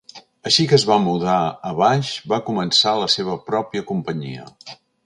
Així que es va mudar a baix i va començar la seva pròpia companyia...